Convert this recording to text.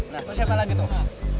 nah terus siapa lagi tuh